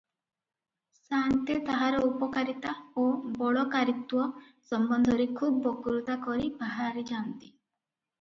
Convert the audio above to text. ସାଆନ୍ତେ ତାହାର ଉପକାରିତା ଓ ବଳକାରିତ୍ୱ ସମ୍ବନ୍ଧରେ ଖୁବ୍ ବକୃତା କରି ବାହାରିଯାନ୍ତି